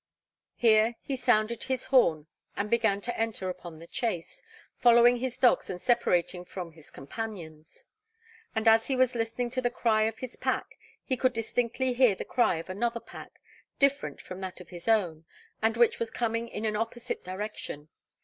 Here 'he sounded his horn and began to enter upon the chase, following his dogs and separating from his companions. And as he was listening to the cry of his pack, he could distinctly hear the cry of another pack, different from that of his own, and which was coming in an opposite direction.